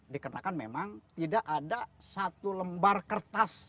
dikarenakan memang tidak ada satu lembar kertas